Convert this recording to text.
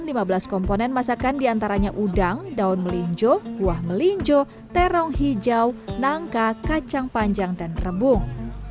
selain bumbu dapur dan santan lima belas komponen masakan diantaranya udang daun melinjo buah melinjo terong hijau nangka kacang panjang dan rebung